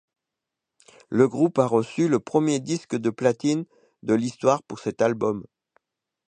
Le groupe a reçu le premier disque de platine de l'histoire pour cet album.